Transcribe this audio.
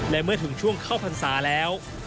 และเมื่อถึงช่วงเข้าพรรษาแล้ว